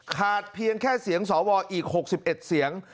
เพียงแค่เสียงสวอีก๖๑เสียง